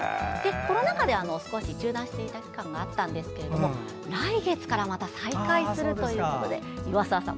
コロナ禍で少し中断していた期間があったんですが来月からまた再開するということで岩沢さん